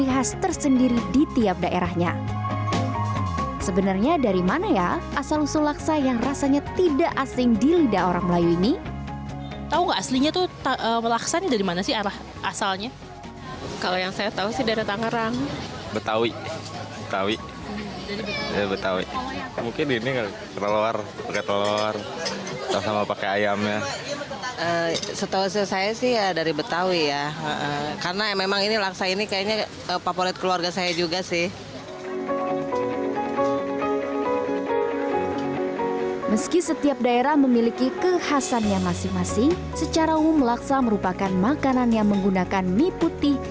kekhasan yang masing masing secara umum laksa merupakan makanan yang menggunakan mie putih